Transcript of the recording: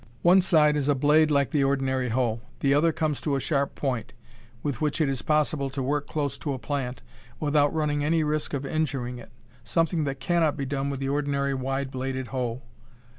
One side is a blade like the ordinary hoe. The other comes to a sharp point, with which it is possible to work close to a plant without running any risk of injuring it something that cannot be done with the ordinary wide bladed hoe.